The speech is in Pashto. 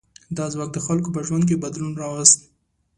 دا ځواک د خلکو په ژوند کې بدلون راوست.